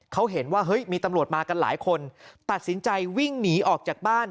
เขาเห็นว่าเฮ้ยมีตำรวจมากันหลายคนตัดสินใจวิ่งหนีออกจากบ้าน